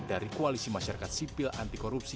dari koalisi masyarakat sipil anti korupsi